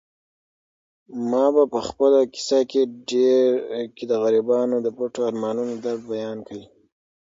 ما په خپله کیسه کې د غریبانو د پټو ارمانونو درد بیان کړ.